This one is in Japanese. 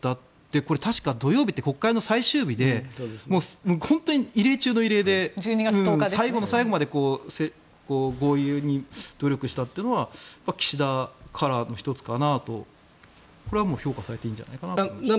これは確か土曜日って国会の最終日で本当に異例中の異例で最後の最後まで合意に努力したというのは岸田カラーの１つかなとこれは評価されていいと思います。